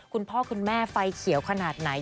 คุณพ่อคุณแม่ไฟเขียวขนาดไหน